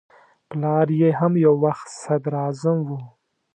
پلار یې هم یو وخت صدراعظم و.